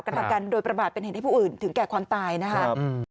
ทำการโดยประมาทเป็นเหตุให้ผู้อื่นถึงแก่ความตายนะครับ